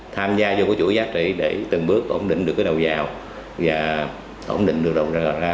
tham gia vô cái chuỗi giá trị để từng bước ổn định được cái đầu giàu và ổn định được đầu giàu ra